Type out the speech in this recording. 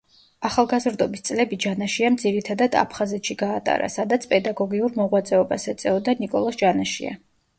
ახალგაზრდობის წლები ჯანაშიამ ძირითადად აფხაზეთში გაატარა, სადაც პედაგოგიურ მოღვაწეობას ეწეოდა ნიკოლოზ ჯანაშია.